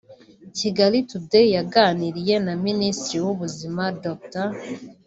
Kigali Today yaganiriye na Minisitiri w’Ubuzima Dr